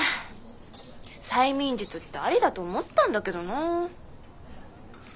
催眠術ってありだと思ったんだけどなぁ。